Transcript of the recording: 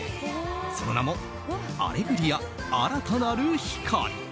その名も「アレグリア‐新たなる光‐」。